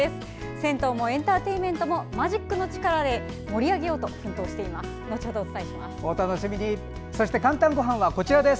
銭湯もエンターテインメントもマジックの力で盛り上げようと奮闘しています。